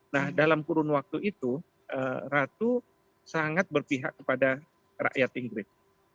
nah dalam kurun waktu itu ratu sangat berpihak kepada rakyat inggris